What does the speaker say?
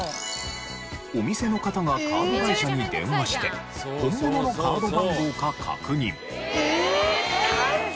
お店の方がカード会社に電話して本物のカード番号か確認。